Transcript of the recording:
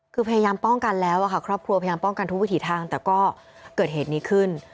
คือพยายามป้องกันแล้วค่ะครอบครัวพยายามป้องกันทุกวิถีทางแต่ก็เกิดเหตุนี้ขึ้น